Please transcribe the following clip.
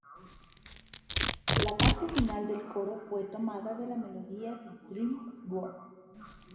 La parte final del coro fue tomada de la melodía de "Dream World".